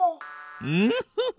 ウッフフフ。